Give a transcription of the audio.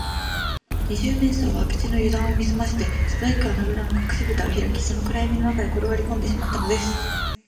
二十面相は明智のゆだんを見すまして、すばやく穴ぐらのかくしぶたをひらき、その暗やみの中へころがりこんでしまったのです